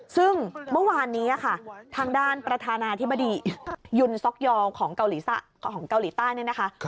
ซึ่งเมื่อวานนี้ค่ะทางด้านประธานาธิบดียุนซ็อกยองของเกาหลีใต้เนี่ยนะคะ